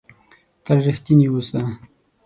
تل ریښتونی اووسه!